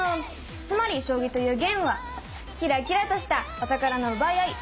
つまり将棋というゲームはキラキラとしたお宝の奪い合い。